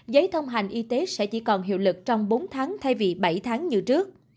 giấy thông hành y tế sẽ chỉ còn hiệu lực trong bốn tháng thay vì bảy tháng như trước